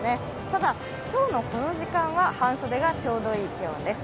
ただ、今日のこの時間は半袖がちょうどいい気温です。